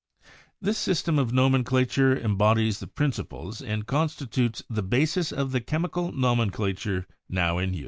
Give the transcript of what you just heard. This system of nomenclature embodies the principles and constitutes the basis of the chemical nomenclature now in use.